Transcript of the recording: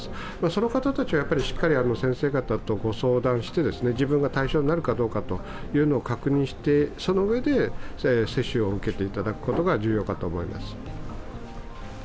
その方たちは、しっかり先生方とご相談して、自分が対象になるかどうかを確認して、そのうえで接種を受けていただくことが重要かと思います。